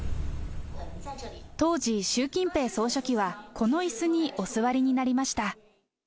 当時、習近平総書記はこのいすにお座りになりました。